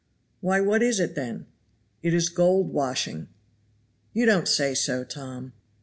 "Why, what is it then?" "It is gold washing." "You don't say so, Tom."